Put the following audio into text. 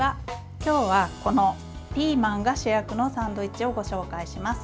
今日は、このピーマンが主役のサンドイッチをご紹介します。